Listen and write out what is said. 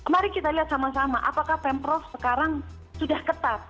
mari kita lihat sama sama apakah pemprov sekarang sudah ketat